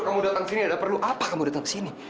kamu datang sini ada perlu apa kamu datang sini